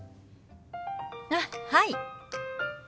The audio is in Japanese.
あっはい。